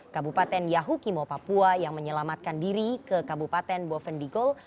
kabupaten yaukimo papua yang menyelamatkan diri ke kabupaten bovendigul